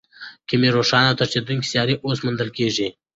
کمې روښانه او تښتېدونکې سیارې اوس موندل کېږي.